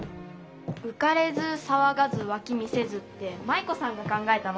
「うかれずさわがずわき見せず」って舞子さんが考えたの？